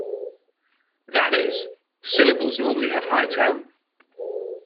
That is, syllables normally have high tone.